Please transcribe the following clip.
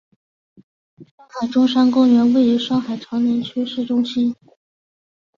上海中山公园位于上海长宁区市中心。